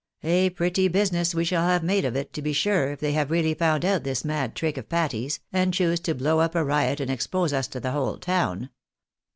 " A pretty business we shall ha\8 made of it, to be sure, if they have really found out this mad tricli of Patty's, and choose to blow up a riot and expose us to the whole town.